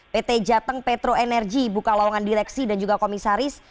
pt jateng petro energi buka lawangan direksi dan juga komisaris